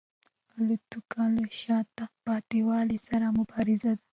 الوتکه له شاته پاتې والي سره مبارزه ده.